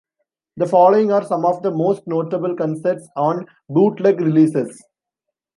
The following are some of the most notable concerts on bootleg releases.